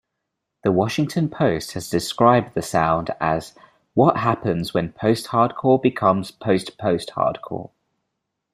"The Washington Post" has described the sound as "what happens when post-hardcore becomes post-post-hardcore.